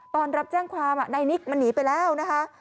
ตอนรับแจ้งความนายนิกมันหนีไปแล้วนะคะ